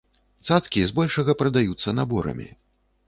Цацкі збольшага прадаюцца наборамі.